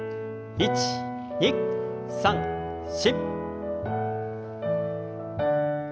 １２３４。